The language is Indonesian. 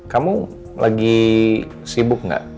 kamu lagi sibuk gak